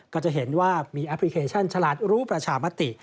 ก็จะเห็นว่ามีแอปพลิเคชันฉลาดรู้ประชามติ